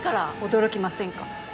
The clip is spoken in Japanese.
驚きませんか？